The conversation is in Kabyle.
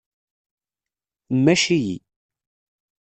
Mmac-iyi.